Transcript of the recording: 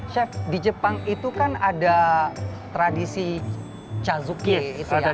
chef di jepang itu kan ada tradisi cazuki itu ya